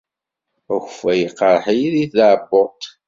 Akeffay iqerreḥ-iyi deg tɛebbuḍt.